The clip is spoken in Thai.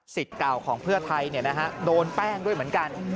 เก่าของเพื่อไทยโดนแป้งด้วยเหมือนกัน